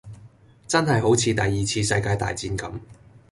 真係好似第二次世界大戰咁